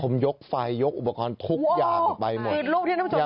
ผมยกไฟยกอุปกรณ์ทุกอย่างไปหมดโอ้โหคือลูกที่น้องโจทย์เห็น